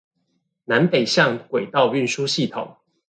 南北向軌道運輸系統